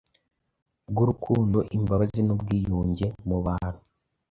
bwurukundo, imbabazi n'ubwiyunge.mubantu